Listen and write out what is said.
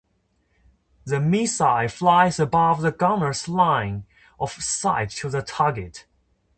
The missile flies above the gunner's line of sight to the target.